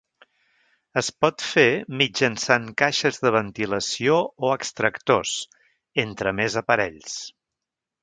Es pot fer mitjançant caixes de ventilació o extractors, entre més aparells.